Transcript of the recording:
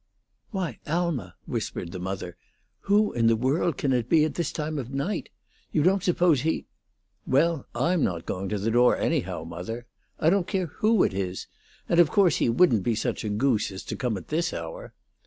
"Why, Alma," whispered the mother, "who in the world can it be at this time of night? You don't suppose he " "Well, I'm not going to the door, anyhow, mother, I don't care who it is; and, of course, he wouldn't be such a goose as to come at this hour."